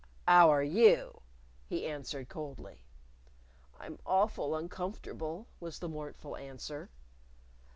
"How are you?" he said coldly. "I'm awful uncomfortable," was the mournful answer.